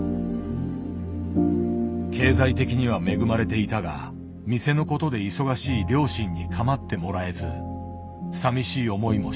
経済的には恵まれていたが店のことで忙しい両親に構ってもらえずさみしい思いもした。